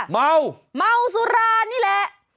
เมาสุรานนี่แหละ